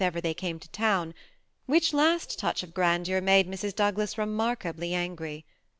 ever they came to town, which last touch of grandeur made Mrs. Douglas re markably angry.